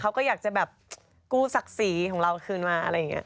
เขาก็อยากจะแบบกู้ศักดิ์ศรีของเราคืนมาอะไรอย่างนี้